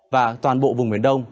và toàn bộ vùng biển đông